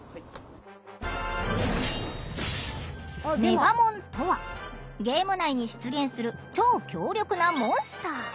メガモンとはゲーム内に出現する超極力なモンスター。